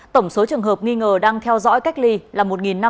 tổng số trường hợp nghi ngờ đang theo dõi cách ly là một năm trăm chín mươi sáu